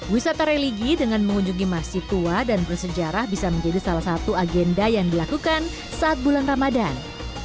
wisata religi dengan mengunjungi masjid tua dan bersejarah bisa menjadi salah satu agenda yang dilakukan saat bulan ramadan